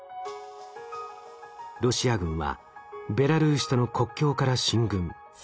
ロシア軍はベラルーシとの国境から進軍。